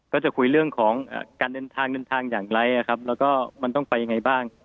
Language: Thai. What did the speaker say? ก็จะคุยเรื่องของการเดินทางเดินทางอย่างไรแล้วก็มันต้องไปยังไงบ้าง